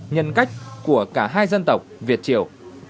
nhân cách của cả hai dân tộc việt triều